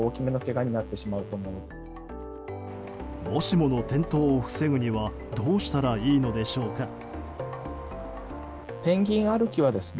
もしもの転倒を防ぐにはどうしたらいいのでしょうか。